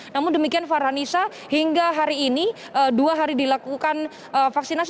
namun demikian farhanisa hingga hari ini dua hari dilakukan vaksinasi